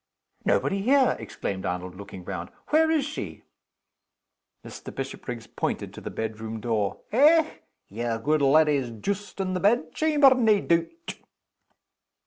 "Nobody here!" exclaimed Arnold, looking round. "Where is she?" Mr. Bishopriggs pointed to the bedroom door. "Eh! yer good leddy's joost in the bedchamber, nae doot!"